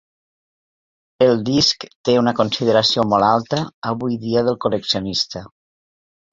El disc té una consideració molt alta avui dia de col·leccionista.